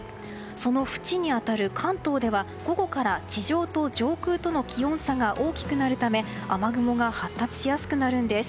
そのふちに当たる関東では、午後から地上と上空との気温差が大きくなるため雨雲が発達しやすくなるんです。